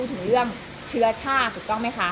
ถึงเรื่องเชื้อชาติถูกต้องไหมคะ